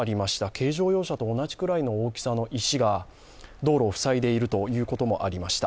軽乗用車と同じくらいの大きさの石が道路を塞いでいるということもありました。